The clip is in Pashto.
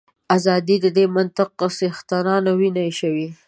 ازادي د دې منطق څښتنانو وینه ایشوي.